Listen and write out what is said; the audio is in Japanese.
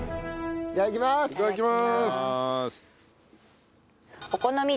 いただきます。